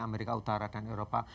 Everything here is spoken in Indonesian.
amerika utara dan eropa